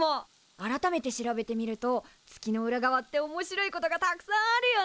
改めて調べてみると月の裏側っておもしろいことがたくさんあるよね。